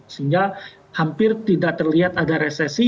sehingga hampir tidak terlihat ada resesi